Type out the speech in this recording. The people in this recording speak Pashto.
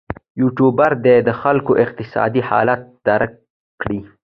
یوټوبر دې د خلکو اقتصادي حالت درک کړي.